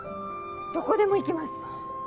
どこでも行きます。